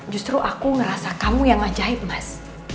justru aku ngerasa kamu yang ajaib mas